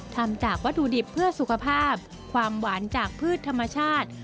ทำจากวัตถุดิบเพื่อสุขภาพความหวานจากพืชธรรมชาติ